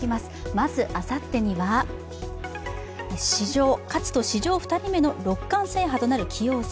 まずあさってには勝つと史上２人目の六冠制覇となる棋王戦。